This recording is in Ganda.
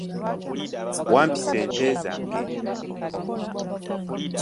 Wampisi ente zange.